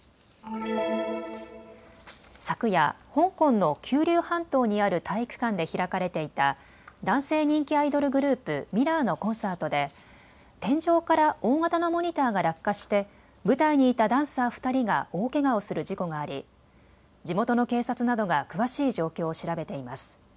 昨夜、香港の九龍半島にある体育館で開かれていた男性人気アイドルグループ、ＭＩＲＲＯＲのコンサートで天井から大型のモニターが落下して舞台にいたダンサー２人が大けがをする事故があり地元の警察などが詳しい状況を調べています。